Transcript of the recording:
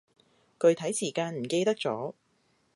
具體時間唔記得咗